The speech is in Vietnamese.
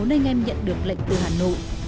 bốn anh em nhận được lệnh từ hà nội